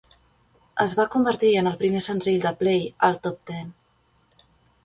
Es va convertir en el primer senzill de Play al top ten.